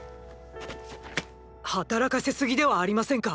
働かせすぎではありませんか？